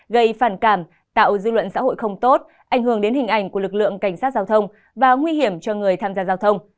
gây phản cảm tạo dư luận xã hội không tốt ảnh hưởng đến hình ảnh của lực lượng cảnh sát giao thông và nguy hiểm cho người tham gia giao thông